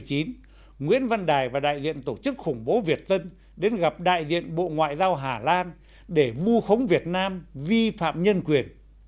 hai mươi năm tháng bốn năm hai nghìn một mươi chín nguyễn văn đài và đại diện tổ chức khủng bố việt tân đến gặp đại diện bộ ngoại giao hà lan để vu khống việt nam vi phạm nhân quyền